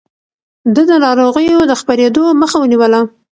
ده د ناروغيو د خپرېدو مخه ونيوله.